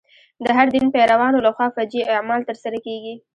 د هر دین پیروانو له خوا فجیع اعمال تر سره کېږي.